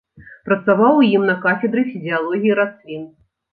Працаваў у ім на кафедры фізіялогіі раслін.